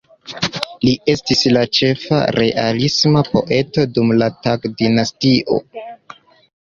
Li estis la ĉefa realisma poeto dum la Tang dinastio.